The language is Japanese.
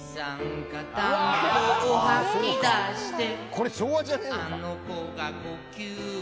これ昭和じゃねえのか？